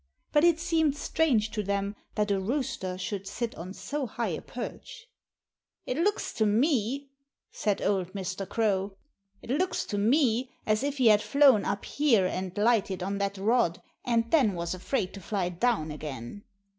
But it seemed strange to them that a rooster should sit on so high a perch. "It looks to me," said old Mr. Crow, "it looks to me as if he had flown up here and lighted on that rod and then was afraid to fly down again."